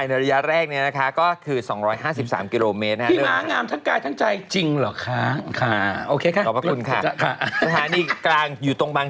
นครทรัศน์ศรีมาชั่วโมงครึ่งเท่านั้น